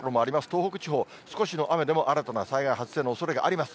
東北地方、少しでも新たな災害発生のおそれがあります。